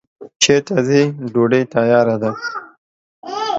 چیرته ځی ډوډی تیاره ده